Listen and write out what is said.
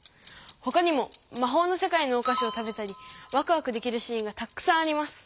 ほかにもまほうのせかいのおかしを食べたりワクワクできるシーンがたっくさんあります。